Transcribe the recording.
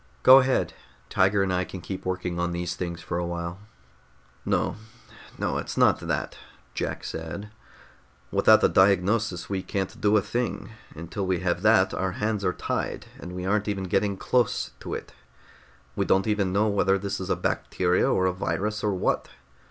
"Go ahead. Tiger and I can keep working on these things for a while." "No, no, it's not that," Jack said. "Without a diagnosis, we can't do a thing. Until we have that, our hands are tied, and we aren't even getting close to it. We don't even know whether this is a bacteria, or a virus, or what.